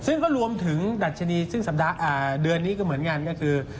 ซึ่งก็รวมถึงดัชนีซึ่งสัปดาห์เดือนนี้ก็เหมือนกันก็คือ